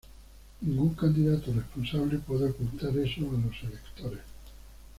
Ningún candidato responsable puede ocultar eso a los electores".